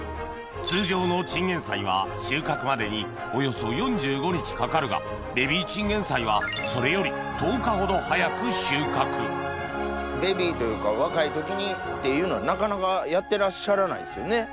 通常のチンゲン菜は収穫までにおよそ４５日かかるがベビーチンゲン菜はそれより１０日ほど早く収穫ベビーというか若い時にっていうのはなかなかやってらっしゃらないんすよね？